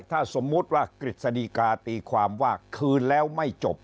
ถ้าสมมุติว่ากฤษฎีกาตีความว่าคืนแล้วไม่จบ